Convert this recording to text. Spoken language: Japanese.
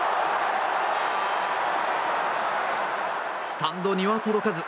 スタンドには届かず。